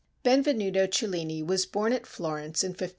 Benvenuto Cellini was born at Florence in 1500.